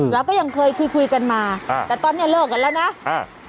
เราก็ยังเคยคุยคุยกันมาอ่าแต่ตอนเนี้ยเลิกกันแล้วนะอ่า